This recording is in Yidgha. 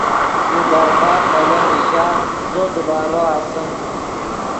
یو دربت مولو نیشا زو دیبارو اسیم